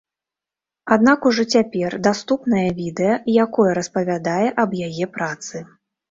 Аднак ужо цяпер даступнае відэа, якое распавядае аб яе працы.